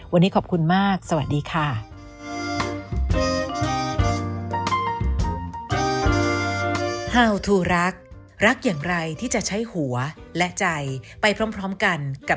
วันนี้ขอบคุณมากสวัสดีค่ะ